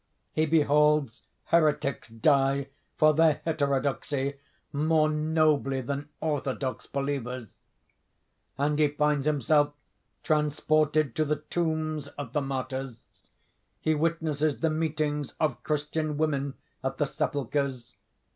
He beholds heretics die for their heterodoxy more nobly than orthodox believers. And he finds himself transported to the tombs of the martyrs. He witnesses the meetings of Christian women at the sepulchres.